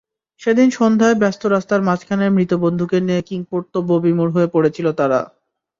সেদিন সন্ধ্যায় ব্যস্ত রাস্তার মাঝখানে মৃত বন্ধুকে নিয়ে কিংকর্তব্যবিমূঢ় হয়ে পড়েছিল তারা।